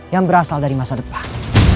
yang berasal dari masa depan